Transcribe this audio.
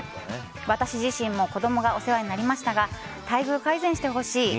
私自身も子供がお世話になりましたが待遇改善してほしい。